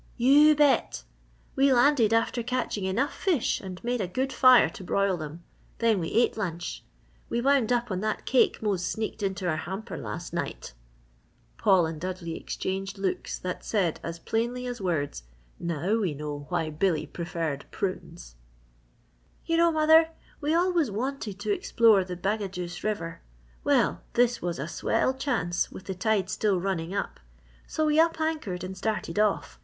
"You bet! We landed after catching enough fish and made a good fire to broil them. Then we ate lunch. We wound up on that cake Mose sneaked into our hamper last night." Paul and Dudley exchanged looks that said as plainly as words, "Now we know why Billy preferred prunes!" "You know, mother, we always wanted to explore the Bagaduce River; well, this was a swell chance with the tide still running up, so we up anchored and started off.